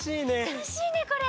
たのしいねこれ。